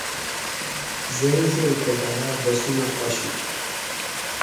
زیڑ زیڑ کۤٹارہ بسونہ آشی